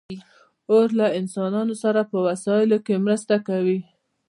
اور له انسانانو سره په وسایلو کې مرسته وکړه.